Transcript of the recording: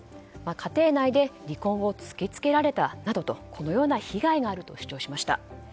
家庭内で離婚を突き付けられたなどとこのような被害があると主張しました。